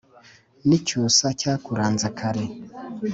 N'Icyusa cyakuranze kare